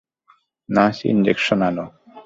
Nurse injection আনো!